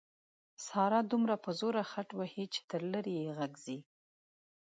ساره دومره په زوره خټ وهي چې تر لرې یې غږ ځي.